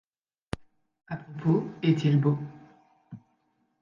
A propos, est-il beau ?